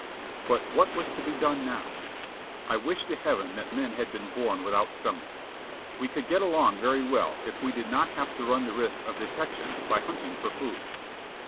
But what was to be done now? I wished to heaven that men had been born without stomachs. We could get along very well if we did not have to run the risk of detection by hunting for food.